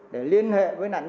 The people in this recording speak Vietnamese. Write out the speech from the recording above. để liên hệ với nạn nhân